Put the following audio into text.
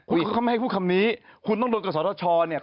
คุณเขาไม่ให้พูดคำนี้คุณต้องโดนกับสทชเนี่ย